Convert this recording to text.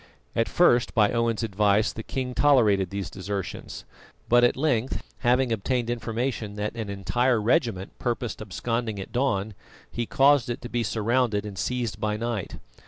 At first, by Owen's advice, the king tolerated these desertions; but at length, having obtained information that an entire regiment purposed absconding at dawn, he caused it to be surrounded and seized by night.